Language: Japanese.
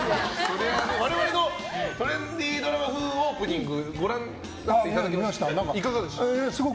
我々のトレンディードラマ風のオープニングご覧になっていただけました？